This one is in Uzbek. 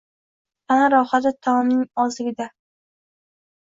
Tana rohati taomning ozligida.